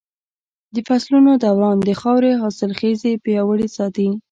د فصلونو دوران د خاورې حاصلخېزي پياوړې ساتي.